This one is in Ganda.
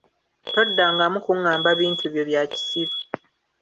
Toddangamu kungamba bintu byo bya kisiru!